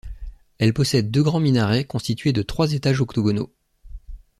Elle possède deux grands minarets constitués de trois étages octogonaux.